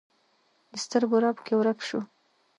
د سترګو رپ کې ورک شو